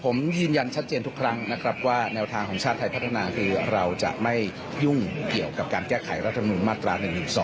ผมยืนยันชัดเจนทุกครั้งนะครับว่าแนวทางของชาติไทยพัฒนาคือเราจะไม่ยุ่งเกี่ยวกับการแก้ไขรัฐมนุนมาตรา๑๑๒